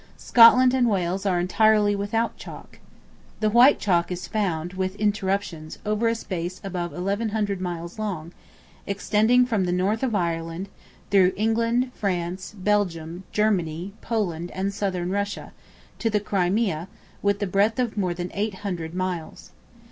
Scotland and Wales are entirely without chalk. The white chalk is found, with interruptions, over a space above eleven hundred miles long, extending from the north of Ireland, through England, France, Belgium, Germany, Poland, and Southern Russia, to the Crimea, with a breadth of more than eight hundred miles.